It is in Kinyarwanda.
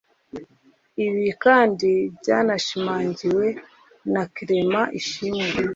Ibi kandi byanashimangiwe na Clement Ishimwe